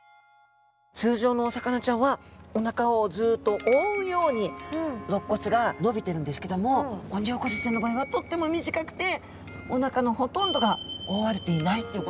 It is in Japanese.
通常のお魚ちゃんはお腹をずっと覆うように肋骨が伸びてるんですけどもオニオコゼちゃんの場合はとっても短くてお腹のほとんどが覆われていないっていうことなんですね。